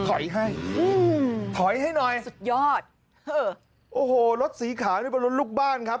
ถอยให้อืมถอยให้หน่อยสุดยอดโอ้โหรถสีขาวนี่เป็นรถลูกบ้านครับ